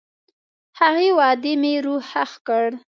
هغې وعدې مې روح ښخ کړ.